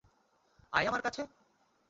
আয় আমার কাছে!